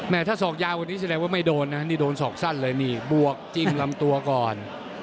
ถ้าศอกยาวกว่านี้แสดงว่าไม่โดนนะนี่โดนศอกสั้นเลยนี่บวกจิ้มลำตัวก่อน